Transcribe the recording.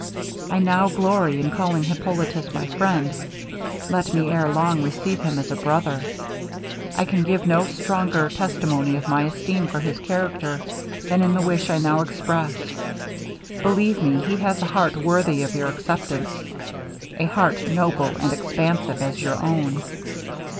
I now glory in calling Hippolitus my friend let me ere long receive him as a brother. I can give no stronger testimony of my esteem for his character, than in the wish I now express. Believe me he has a heart worthy of your acceptance a heart noble and expansive as your own.'